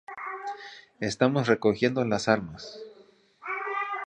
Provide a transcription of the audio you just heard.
Estamos recogiendo las armas".